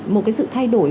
một cái sự thay đổi